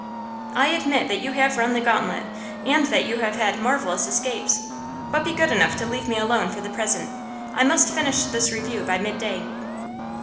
'I admit that you have run the gauntlet, and that you have had marvellous escapes. But be good enough to leave me alone for the present. I must finish this review by midday.